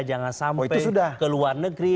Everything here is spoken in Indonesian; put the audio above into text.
jangan sampai ke luar negeri